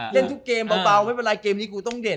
เล่นทุกเกมเบาไม่เป็นไรเกมนี้กูต้องเด่น